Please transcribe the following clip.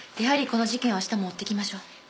やはりこの事件を明日も追っていきましょう。